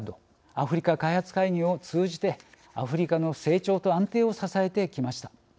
アフリカ開発会議を通じてアフリカの成長と安定を支えてきました。